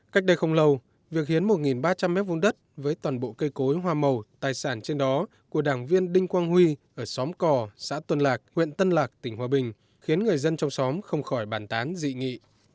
cách đây không lâu việc hiến một ba trăm linh m hai đất với toàn bộ cây cối hoa màu tài sản trên đó của đảng viên đinh quang huy ở xóm cò xã tuân lạc huyện tân lạc tỉnh hòa bình khiến người dân trong xóm không khỏi bàn tán dị nghị